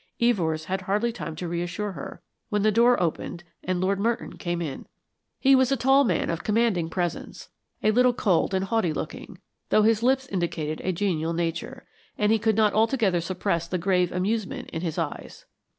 Evors had hardly time to reassure her, when the door opened and Lord Merton came in. He was a tall man of commanding presence, a little cold and haughty looking, though his lips indicated a genial nature, and he could not altogether suppress the grave amusement in his eyes.